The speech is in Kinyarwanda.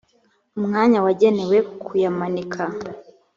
umwanya wagenewe kuyamanika .